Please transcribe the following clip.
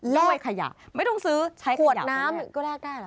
กล้วยขยะไม่ต้องซื้อขวดน้ำก็แลกได้เหรอ